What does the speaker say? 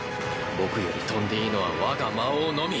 僕より飛んでいいのは我が魔王のみ。